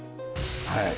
はい。